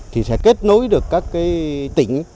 thì sẽ kết nối được các tỉnh